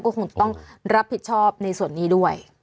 ก็คงต้องรับผิดชอบในส่วนนี้ด้วย